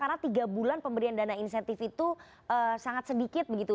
karena tiga bulan pemberian dana insentif itu sangat sedikit begitu